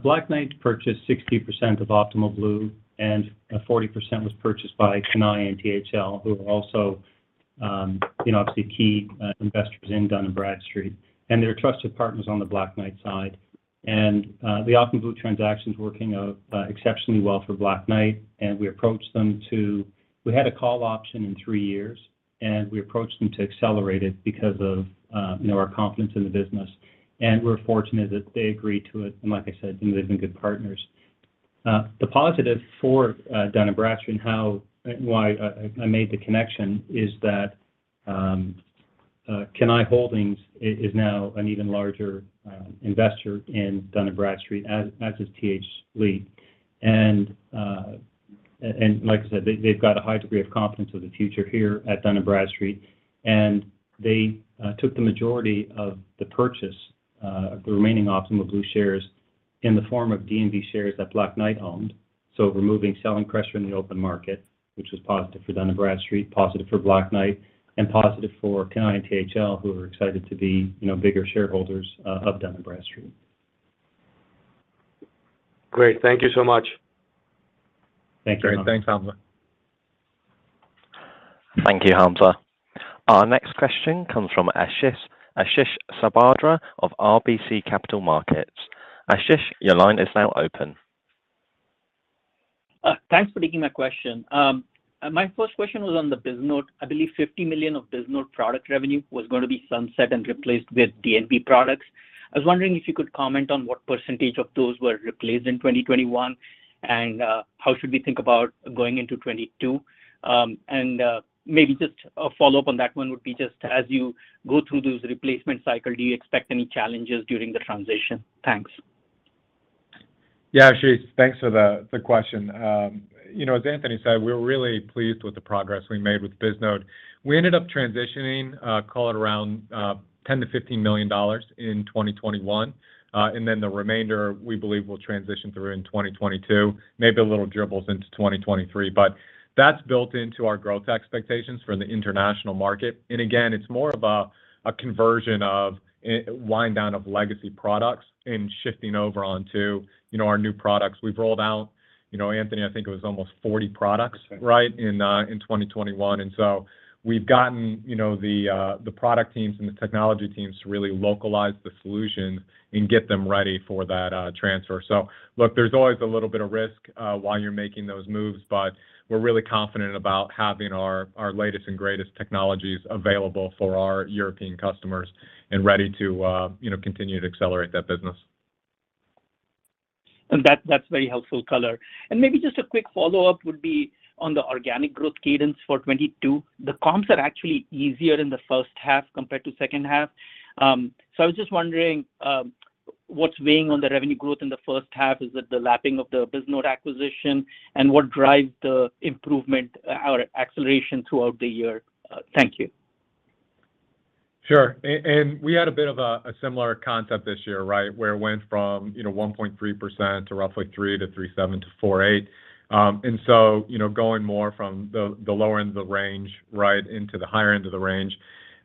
Black Knight purchased 60% of Optimal Blue and 40% was purchased by Cannae and THL, who are also, you know, obviously key investors in Dun & Bradstreet and they're trusted partners on the Black Knight side. The Optimal Blue transaction's working out exceptionally well for Black Knight, and we approached them. We had a call option in three years and we approached them to accelerate it because of, you know, our confidence in the business and we're fortunate that they agreed to it, and like I said, you know, they've been good partners. The positive for Dun & Bradstreet and how, why I made the connection is that, Cannae Holdings is now an even larger investor in Dun & Bradstreet as is THL. Like I said, they've got a high degree of confidence of the future here at Dun & Bradstreet, and they took the majority of the purchase of the remaining Optimal Blue shares in the form of D&B shares that Black Knight owned. Removing selling pressure in the open market, which was positive for Dun & Bradstreet, positive for Black Knight, and positive for Cannae and THL, who are excited to be, you know, bigger shareholders of Dun & Bradstreet. Great. Thank you so much. Thank you. Great. Thanks, Hamzah. Thank you, Hamza. Our next question comes from Ashish Sabadra of RBC Capital Markets. Ashish, your line is now open. Thanks for taking my question. My first question was on the Bisnode. I believe $50 million of Bisnode product revenue was gonna be sunset and replaced with D&B products. I was wondering if you could comment on what percentage of those were replaced in 2021, and how should we think about going into 2022? Maybe just a follow-up on that one would be just as you go through this replacement cycle, do you expect any challenges during the transition? Thanks. Yeah, Ashish, thanks for the question. You know, as Anthony said, we're really pleased with the progress we made with Bisnode. We ended up transitioning, call it around $10 million-$15 million in 2021. The remainder, we believe, will transition through in 2022, maybe a little dribbles into 2023. That's built into our growth expectations for the international market. Again, it's more of a conversion or wind down of legacy products and shifting over onto, you know, our new products. We've rolled out, you know, Anthony, I think it was almost 40 products. That's right. Right in 2021. We've gotten, you know, the product teams and the technology teams to really localize the solution and get them ready for that transfer. Look, there's always a little bit of risk while you're making those moves, but we're really confident about having our latest and greatest technologies available for our European customers and ready to, you know, continue to accelerate that business. That, that's very helpful color. Maybe just a quick follow-up would be on the organic growth cadence for 2022. The comps are actually easier in the first half compared to second half. So I was just wondering, what's weighing on the revenue growth in the first half? Is it the lapping of the Bisnode acquisition? What drives the improvement or acceleration throughout the year? Thank you. Sure. We had a bit of a similar concept this year, right? Where it went from 1.3% to roughly 3% to 3.7% to 4.8%. Going more from the lower end of the range right into the higher end of the range.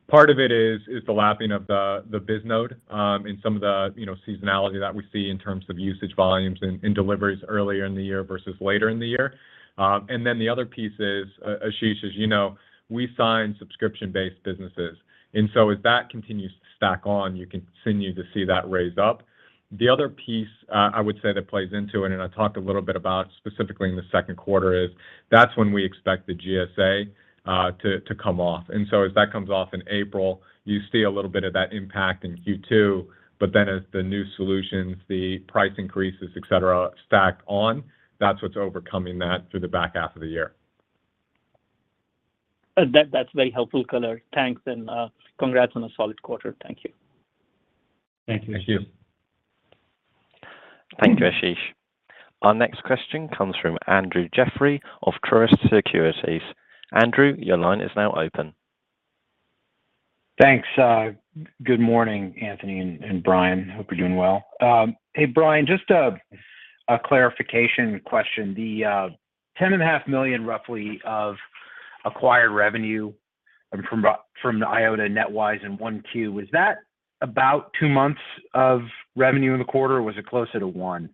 Part of it is the lapping of the Bisnode and some of the seasonality that we see in terms of usage volumes and deliveries earlier in the year versus later in the year. The other piece is, Ashish, we sign subscription-based businesses. As that continues to stack on, you continue to see that raise up. The other piece, I would say that plays into it, and I talked a little bit about specifically in the second quarter, is that's when we expect the GSA to come off. As that comes off in April, you see a little bit of that impact in Q2. As the new solutions, the price increases, et cetera, stacked on, that's what's overcoming that through the back half of the year. That, that's very helpful color. Thanks and, congrats on a solid quarter. Thank you. Thank you. Thank you. Thank you, Ashish. Our next question comes from Andrew Jeffrey of Truist Securities. Andrew, your line is now open. Thanks. Good morning, Anthony and Bryan. Hope you're doing well. Hey, Bryan, just a clarification question. The $10.5 million roughly of acquired revenue from Eyeota and NetWise in 1Q, was that about two months of revenue in the quarter, or was it closer to one?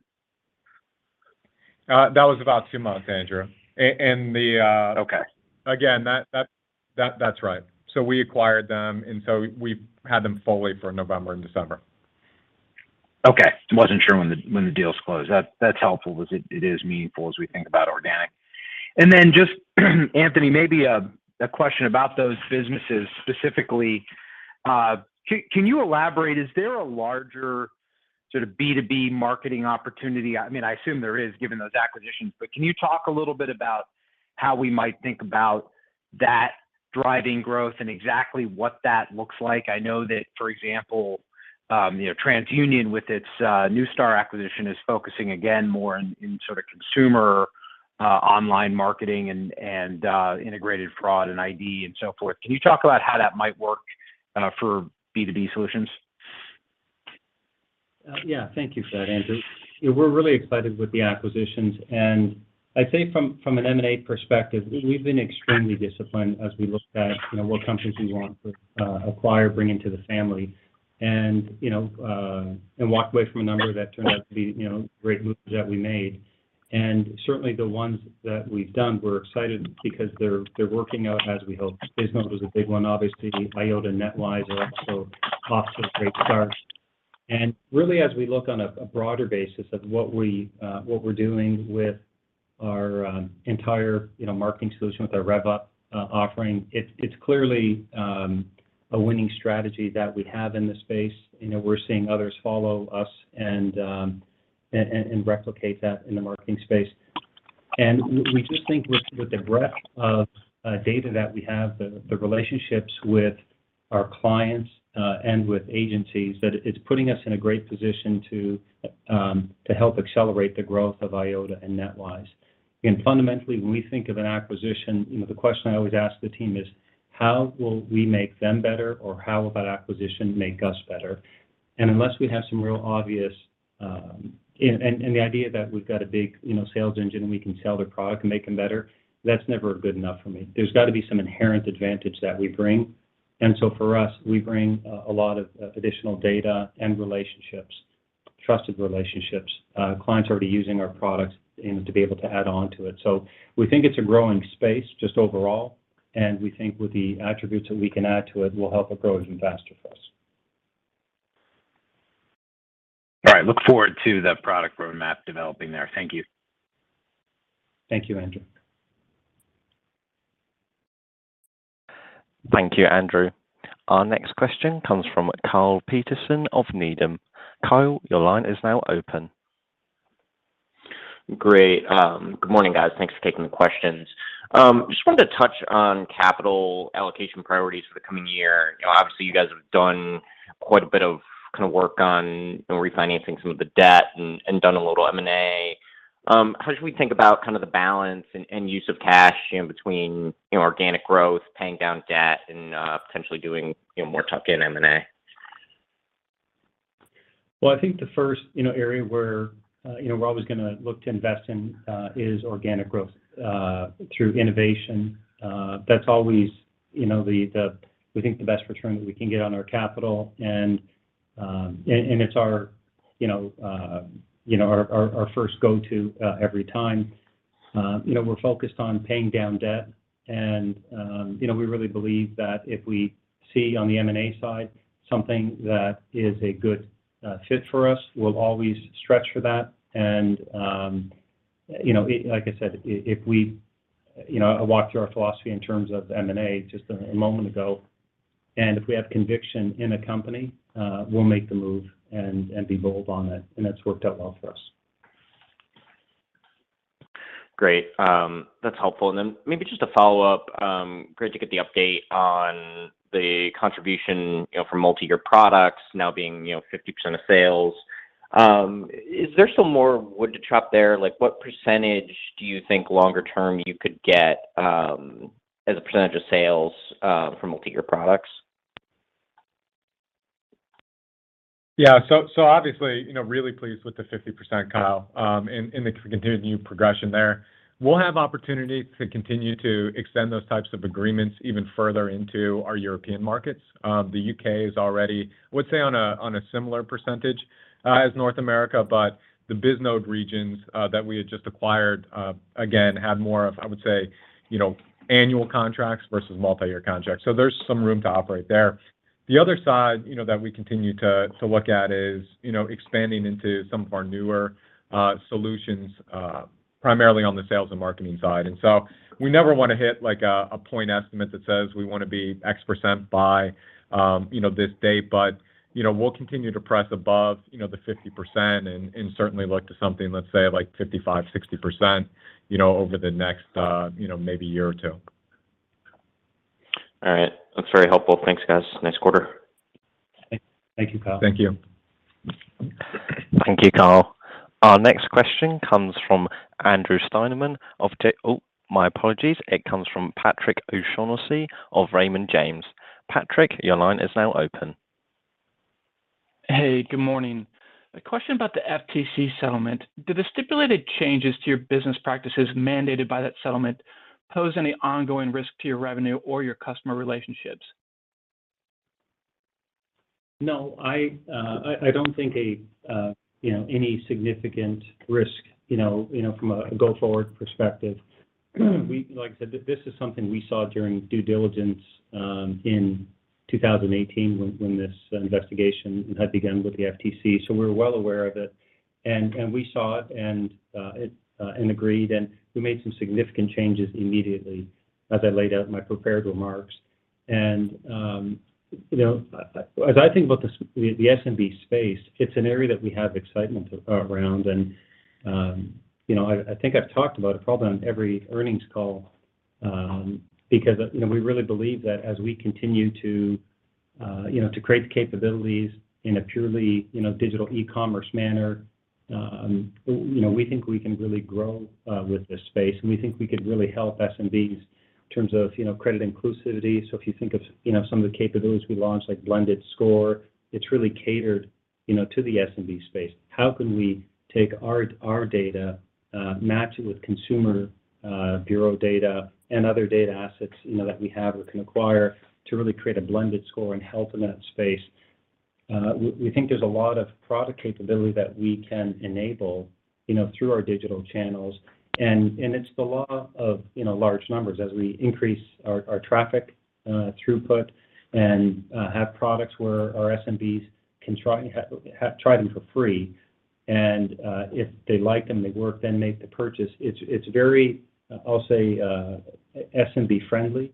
That was about two months, Andrew. Okay. Again, that's right. We acquired them, and so we had them fully for November and December. Okay. Wasn't sure when the deals closed. That's helpful as it is meaningful as we think about organic. Then, Anthony, maybe a question about those businesses specifically. Can you elaborate? Is there a larger sort of B2B marketing opportunity? I mean, I assume there is, given those acquisitions. Can you talk a little bit about how we might think about that driving growth and exactly what that looks like? I know that, for example, you know, TransUnion with its Neustar acquisition is focusing again more in sort of consumer online marketing and integrated fraud and ID and so forth. Can you talk about how that might work for B2B solutions? Yeah. Thank you for that, Andrew. Yeah, we're really excited with the acquisitions. I'd say from an M&A perspective, we've been extremely disciplined as we looked at, you know, what companies we want to acquire, bring into the family and, you know, and walked away from a number that turned out to be, you know, great moves that we made. Certainly the ones that we've done, we're excited because they're working out as we hoped. Bisnode was a big one, obviously. Eyeota and NetWise are also off to a great start. Really as we look on a broader basis of what we're doing with our entire, you know, marketing solution with our RevUp offering, it's clearly a winning strategy that we have in the space. You know, we're seeing others follow us and replicate that in the marketing space. We just think with the breadth of data that we have, the relationships with our clients and with agencies, that it's putting us in a great position to help accelerate the growth of Eyeota and NetWise. Fundamentally, when we think of an acquisition, you know, the question I always ask the team is, "How will we make them better, or how will that acquisition make us better?" Unless we have some real obvious, the idea that we've got a big, you know, sales engine and we can sell their product and make them better, that's never good enough for me. There's got to be some inherent advantage that we bring. For us, we bring a lot of additional data and relationships, trusted relationships, clients already using our products, you know, to be able to add on to it. We think it's a growing space just overall, and we think with the attributes that we can add to it will help it grow even faster for us. All right. Look forward to the product roadmap developing there. Thank you. Thank you, Andrew. Our next question comes from Kyle Peterson of Needham. Kyle, your line is now open. Great. Good morning, guys. Thanks for taking the questions. Just wanted to touch on capital allocation priorities for the coming year. You know, obviously, you guys have done quite a bit of kinda work on refinancing some of the debt and done a little M&A. How should we think about kind of the balance and use of cash, you know, between, you know, organic growth, paying down debt and potentially doing, you know, more tuck-in M&A? Well, I think the first, you know, area where, you know, we're always gonna look to invest in, is organic growth, through innovation. That's always, you know, we think the best return that we can get on our capital. It's our, you know, you know, our first go-to, every time. You know, we're focused on paying down debt, and, you know, we really believe that if we see on the M&A side something that is a good, fit for us, we'll always stretch for that. Like I said, if we, you know, I walked through our philosophy in terms of M&A just a moment ago, and if we have conviction in a company, we'll make the move and be bold on it, and that's worked out well for us. Great. That's helpful. Maybe just a follow-up. Great to get the update on the contribution, you know, for multi-year products now being, you know, 50% of sales. Is there some more wood to chop there? Like, what percentage do you think longer term you could get, as a percentage of sales, for multi-year products? Yeah. Obviously, you know, really pleased with the 50%, Kyle, and the continued new progression there. We'll have opportunities to continue to extend those types of agreements even further into our European markets. The U.K. is already, I would say, on a similar percentage as North America, but the Bisnode regions that we had just acquired again had more of, I would say, you know, annual contracts versus multi-year contracts. There's some room to operate there. The other side, you know, that we continue to look at is, you know, expanding into some of our newer solutions primarily on the sales and marketing side. We never wanna hit, like a point estimate that says we wanna be X% by, you know, this date. you know, we'll continue to press above, you know, the 50% and certainly look to something, let's say, like 55%-60%, you know, over the next, you know, maybe year or two. All right. That's very helpful. Thanks, guys. Nice quarter. Thank you, Kyle. Thank you. Thank you, Kyle. Our next question comes from. Oh, my apologies. It comes from Patrick O'Shaughnessy of Raymond James. Patrick, your line is now open. Hey, good morning. A question about the FTC settlement. Do the stipulated changes to your business practices mandated by that settlement pose any ongoing risk to your revenue or your customer relationships? No, I don't think of any significant risk, you know, from a go-forward perspective. Like I said, this is something we saw during due diligence in 2018 when this investigation had begun with the FTC, so we're well aware of it. We saw it and agreed, and we made some significant changes immediately as I laid out in my prepared remarks. You know, as I think about the SMB space, it's an area that we have excitement around. I think I've talked about it probably on every earnings call, because, you know, we really believe that as we continue to you know to create the capabilities in a purely you know digital e-commerce manner, you know, we think we can really grow with this space, and we think we could really help SMBs in terms of you know credit inclusivity. If you think of you know some of the capabilities we launched, like blended score, it's really catered you know to the SMB space. How can we take our data match it with consumer bureau data and other data assets you know that we have or can acquire to really create a blended score and help in that space? We think there's a lot of product capability that we can enable, you know, through our digital channels. It's the law of, you know, large numbers. As we increase our traffic throughput and have products where our SMBs can try them for free, and if they like them, they work, then make the purchase. It's very, I'll say, SMB friendly.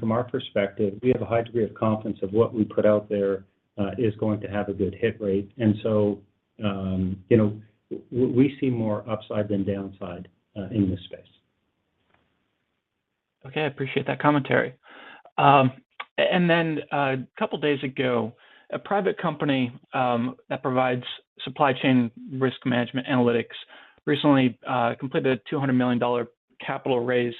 From our perspective, we have a high degree of confidence of what we put out there is going to have a good hit rate. You know, we see more upside than downside in this space. Okay. I appreciate that commentary. A couple of days ago, a private company that provides supply chain risk management analytics recently completed a $200 million capital raise.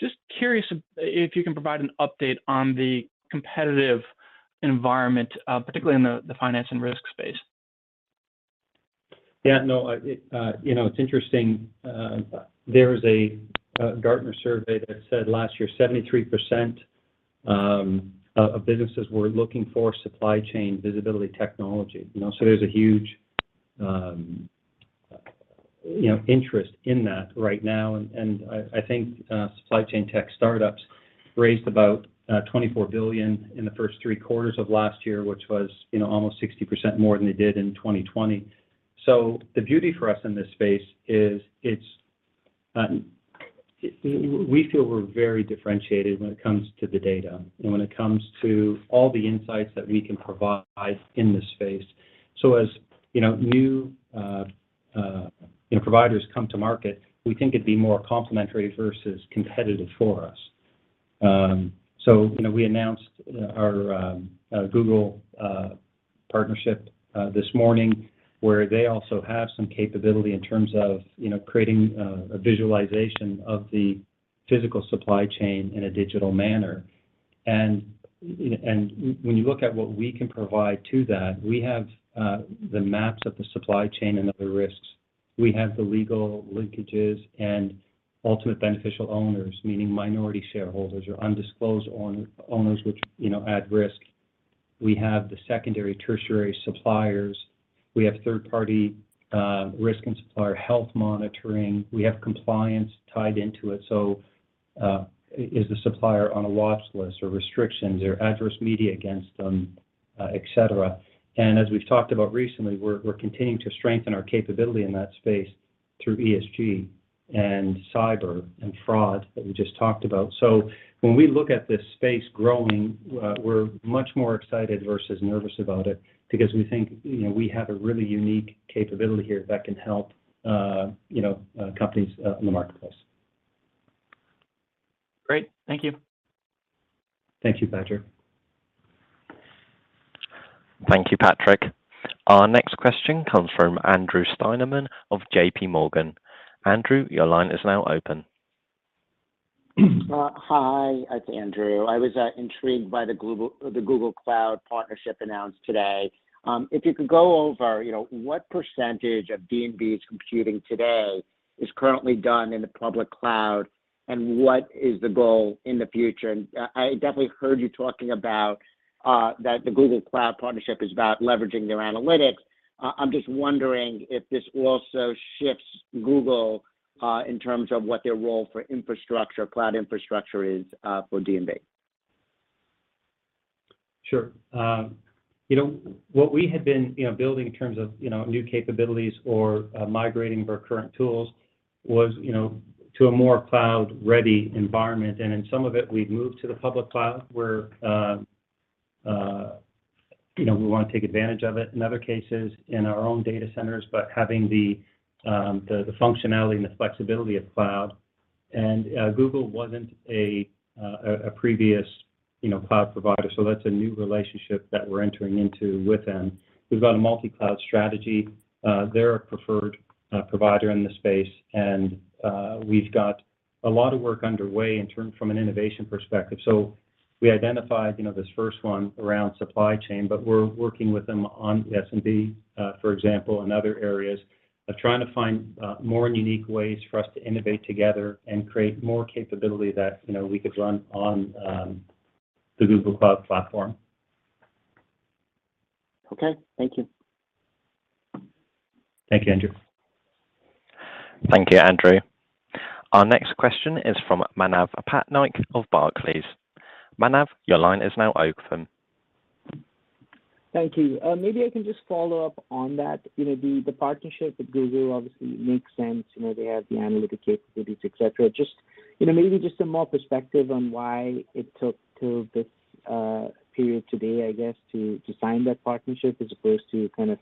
Just curious if you can provide an update on the competitive environment, particularly in the finance and risk space. Yeah, no. You know, it's interesting. There is a Gartner survey that said last year 73% of businesses were looking for supply chain visibility technology. You know, there's a huge you know, interest in that right now. I think supply chain tech startups raised about $24 billion in the first three quarters of last year, which was you know, almost 60% more than they did in 2020. The beauty for us in this space is we feel we're very differentiated when it comes to the data and when it comes to all the insights that we can provide in this space. As you know, new you know, providers come to market, we think it'd be more complementary versus competitive for us. You know, we announced our Google partnership this morning where they also have some capability in terms of, you know, creating a visualization of the physical supply chain in a digital manner. When you look at what we can provide to that, we have the maps of the supply chain and of the risks. We have the legal linkages and ultimate beneficial owners, meaning minority shareholders or undisclosed owners which, you know, add risk. We have the secondary, tertiary suppliers. We have third-party risk and supplier health monitoring. We have compliance tied into it. Is the supplier on a watch list or restrictions or adverse media against them, etc. As we've talked about recently, we're continuing to strengthen our capability in that space through ESG and cyber and fraud that we just talked about. When we look at this space growing, we're much more excited versus nervous about it because we think, you know, we have a really unique capability here that can help, you know, companies in the marketplace. Great. Thank you. Thank you, Patrick. Thank you, Patrick. Our next question comes from Andrew Steinerman of JP Morgan. Andrew, your line is now open. Hi. It's Andrew. I was intrigued by the Google Cloud partnership announced today. If you could go over, you know, what percentage of D&B's computing today is currently done in the public cloud, and what is the goal in the future? I definitely heard you talking about that the Google Cloud partnership is about leveraging their analytics. I'm just wondering if this also shifts Google in terms of what their role for infrastructure, cloud infrastructure is for D&B. Sure. You know, what we had been you know, building in terms of you know, new capabilities or migrating of our current tools was you know, to a more cloud-ready environment. In some of it, we've moved to the public cloud where you know, we wanna take advantage of it. In other cases, in our own data centers, but having the functionality and the flexibility of cloud. Google wasn't a previous you know, cloud provider, so that's a new relationship that we're entering into with them. We've got a multi-cloud strategy. They're a preferred provider in the space, and we've got a lot of work underway from an innovation perspective. We identified, you know, this first one around supply chain, but we're working with them on SMB, for example, and other areas of trying to find more unique ways for us to innovate together and create more capability that, you know, we could run on the Google Cloud platform. Okay. Thank you. Thank you, Andrew. Thank you, Andrew. Our next question is from Manav Patnaik of Barclays. Manav, your line is now open. Thank you. Maybe I can just follow up on that. You know, the partnership with Google obviously makes sense. You know, they have the analytic capabilities, et cetera. Just, you know, maybe just some more perspective on why it took till this period today, I guess, to sign that partnership as opposed to kind of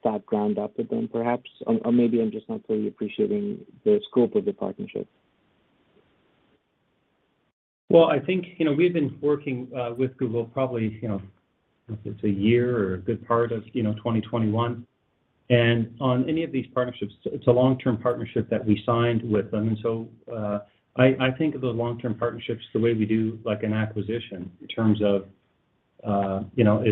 start ground up with them perhaps. Maybe I'm just not fully appreciating the scope of the partnership. Well, I think, you know, we've been working with Google probably, you know, it's a year or a good part of, you know, 2021. On any of these partnerships, it's a long-term partnership that we signed with them. I think of those long-term partnerships the way we do like an acquisition in terms of, you know,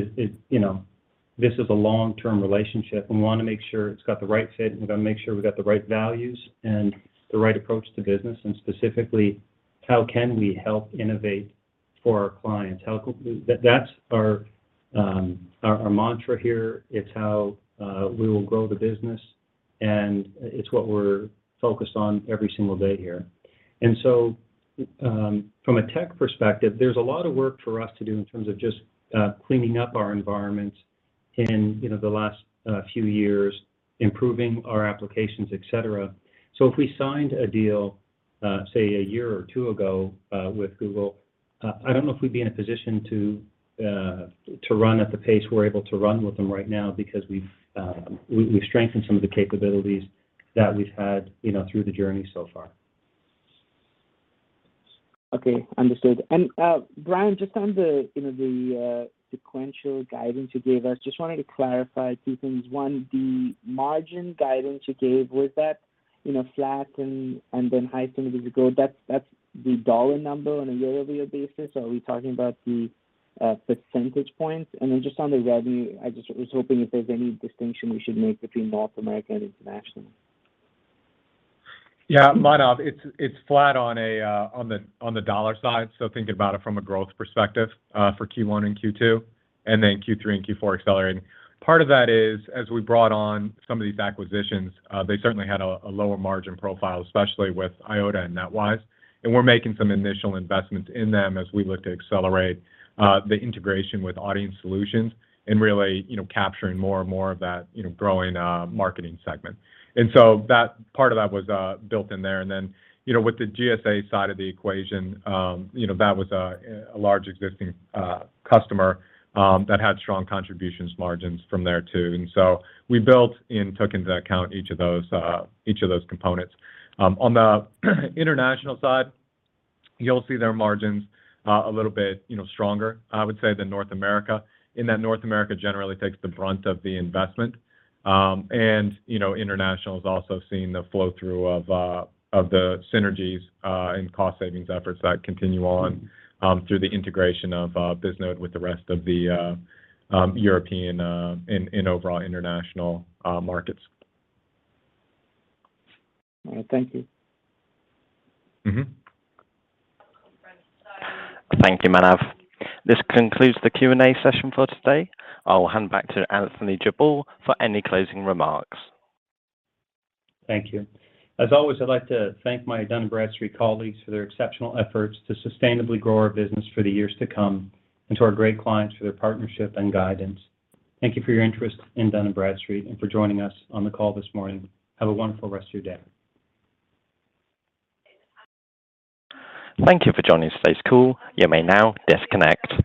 this is a long-term relationship. We wanna make sure it's got the right fit, and we gotta make sure we got the right values and the right approach to business. Specifically, how can we help innovate for our clients? How can that's our mantra here. It's how we will grow the business, and it's what we're focused on every single day here. From a tech perspective, there's a lot of work for us to do in terms of just cleaning up our environment in, you know, the last few years, improving our applications, et cetera. If we signed a deal, say a year or two ago, with Google, I don't know if we'd be in a position to run at the pace we're able to run with them right now because we've strengthened some of the capabilities that we've had, you know, through the journey so far. Okay. Understood. Bryan, just on the, you know, the sequential guidance you gave us, just wanted to clarify two things. One, the margin guidance you gave, was that, you know, flat and then high single digit growth? That's the dollar number on a year-over-year basis? Are we talking about the percentage points? Just on the revenue, I just was hoping if there's any distinction we should make between North America and International. Yeah, Manav, it's flat on a dollar side, so think about it from a growth perspective for Q1 and Q2, and then Q3 and Q4 accelerating. Part of that is, as we brought on some of these acquisitions, they certainly had a lower margin profile, especially with Eyeota and NetWise. We're making some initial investments in them as we look to accelerate the integration with Audience Solutions and really, you know, capturing more and more of that, you know, growing marketing segment. That part of that was built in there. With the GSA side of the equation, you know, that was a large existing customer that had strong contribution margins from there, too. We built and took into account each of those components. On the international side, you'll see their margins a little bit, you know, stronger, I would say, than North America, in that North America generally takes the brunt of the investment. And you know, international's also seeing the flow-through of the synergies and cost savings efforts that continue on through the integration of Bisnode with the rest of the European and overall international markets. All right. Thank you. Mm-hmm. Thank you, Manav. This concludes the Q&A session for today. I will hand back to Anthony Jabbour for any closing remarks. Thank you. As always, I'd like to thank my Dun & Bradstreet colleagues for their exceptional efforts to sustainably grow our business for the years to come and to our great clients for their partnership and guidance. Thank you for your interest in Dun & Bradstreet and for joining us on the call this morning. Have a wonderful rest of your day. Thank you for joining today's call. You may now disconnect.